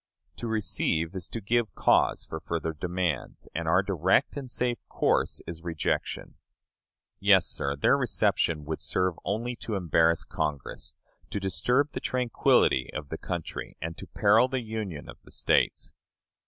To receive is to give cause for further demands, and our direct and safe course is rejection. Yes, sir, their reception would serve only to embarrass Congress, to disturb the tranquillity of the country, and to peril the Union of the States.